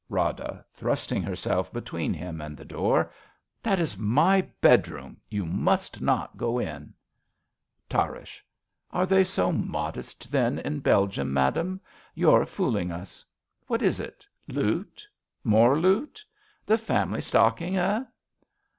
Rada {thrusting herself between him and the door.) That is my bedroom. You must not go in. Tarrasch. Are they so modest, then, in Belgium, madam ? You're fooling us. What is it? Loot? More loot ? The family stocking, eh?